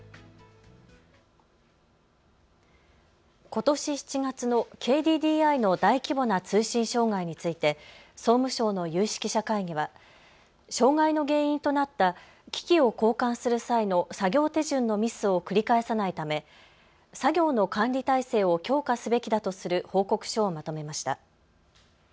ことし７月のＫＤＤＩの大規模な通信障害について総務省の有識者会議は障害の原因となった機器を交換する際の作業手順のミスを繰り返さないため作業の管理体制を強化すべきだとする報告書をまとめました。